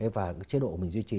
và chế độ mình duy trì